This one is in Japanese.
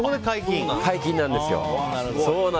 解禁なんですよ。